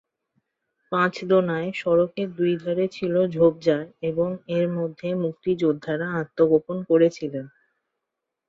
পাঁচদোনায় সড়কের দুই ধারে ছিল ঝোপঝাড় এবং এর মধ্যে মুক্তিযোদ্ধারা আত্মগোপন করেছিলেন।